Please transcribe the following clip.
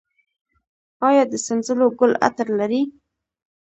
آیا د سنځلو ګل عطر لري؟